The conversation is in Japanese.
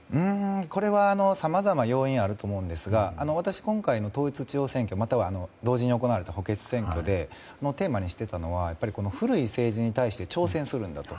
これは、さまざま要因はあると思うんですが私、今回の統一地方選挙または同時に行われた補欠選挙でテーマにしていたのは古い政治に対して挑戦するんだと。